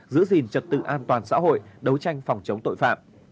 giữ gìn trật tự an toàn xã hội đấu tranh phòng chống tội phạm